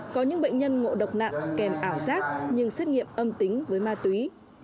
có những bệnh nhân ngộ độc nặng kèm ảo giác nhưng xét nghiệm âm tính với ma túy